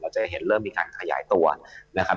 จะเห็นเริ่มมีการขยายตัวนะครับ